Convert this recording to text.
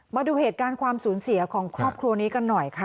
มาดูเหตุการณ์ความสูญเสียของครอบครัวนี้กันหน่อยค่ะ